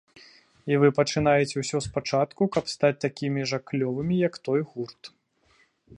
І вы пачынаеце ўсё спачатку, каб стаць такімі жа клёвымі, як той гурт.